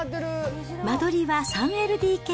間取りは３ＬＤＫ。